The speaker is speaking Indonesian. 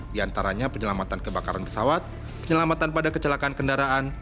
diantaranya penyelamatan kebakaran pesawat penyelamatan pada kecelakaan kendaraan